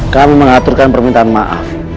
kami mengaturkan permintaan maaf